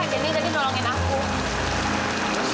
kan biar sepaling sama ayah